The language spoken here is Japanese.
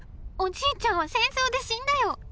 おじいちゃんは戦争で死んだよ。